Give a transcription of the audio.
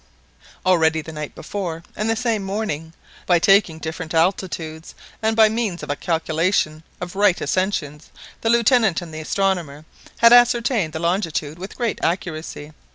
Already the night before, and the same morning, by raking different altitudes, and by means of a calculation of right ascensions, the Lieutenant and the astronomer had ascertained the longitude with great accuracy.